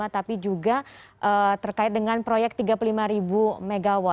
tapi juga terkait dengan proyek tiga puluh lima mw